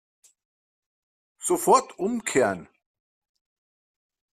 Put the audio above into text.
Sofort umkehren!